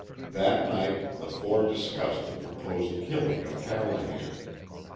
That night the four discussed the proposed killing of Callahan.